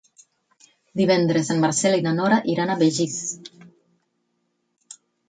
Divendres en Marcel i na Nora iran a Begís.